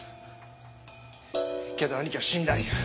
けど兄貴は死んだんや。